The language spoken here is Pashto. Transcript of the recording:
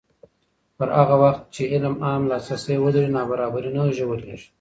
پر هغه وخت چې علم عام لاسرسی ولري، نابرابري نه ژورېږي.